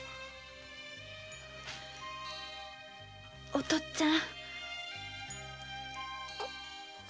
お父っつぁん。